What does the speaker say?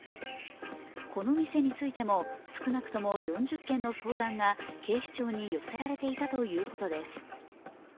この店についても、少なくとも４０件の相談が警視庁に寄せられていたということです。